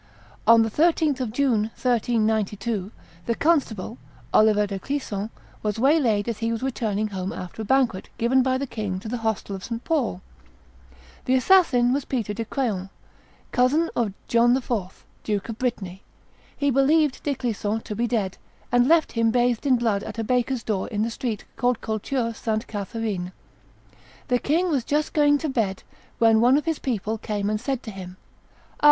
On the 13th of June, 1392, the constable, Oliver de Clisson, was waylaid as he was returning home after a banquet given by the king at the hostel of St. Paul. The assassin was Peter de Craon, cousin of John IV., Duke of Brittany. He believed De Clisson to be dead, and left him bathed in blood at a baker's door in the street called Culture Sainte Catherine. The king was just going to bed, when one of his people came and said to him, "Ah!